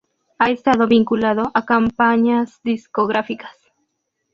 Ha estado vinculado a compañías discográficas.